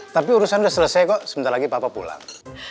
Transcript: tapi urusan udah selesai kok sebentar lagi papa pulang